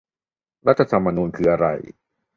รัฐธรรมนูญคืออะไร ?